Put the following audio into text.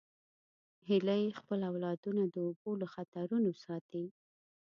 هیلۍ خپل اولادونه د اوبو له خطرونو ساتي